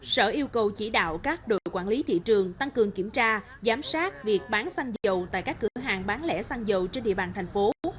sở yêu cầu chỉ đạo các đội quản lý thị trường tăng cường kiểm tra giám sát việc bán xăng dầu tại các cửa hàng bán lẻ xăng dầu trên địa bàn thành phố